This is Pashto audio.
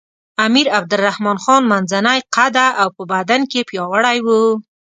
امیر عبدالرحمن خان منځنی قده او په بدن کې پیاوړی وو.